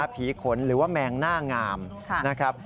ขนหรือว่าแมงหน้างามนะครับ